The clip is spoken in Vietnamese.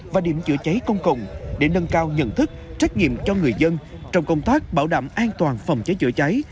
và điểm chữa cháy công cộng để nâng cao nhận thức trách nhiệm cho người dân trong công tác bảo đảm an toàn phòng cháy chữa cháy